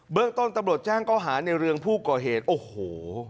เรื่องต้นตำรวจแจ้งข้อหาในเรืองผู้ก่อเหตุโอ้โห